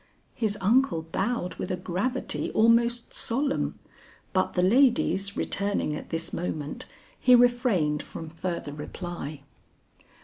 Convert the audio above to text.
His uncle bowed with a gravity almost solemn, but the ladies returning at this moment, he refrained from further reply.